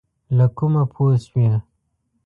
له کومه پوه شوې؟